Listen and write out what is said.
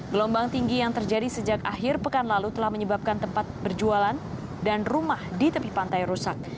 gelombang tinggi yang terjadi sejak akhir pekan lalu telah menyebabkan tempat berjualan dan rumah di tepi pantai rusak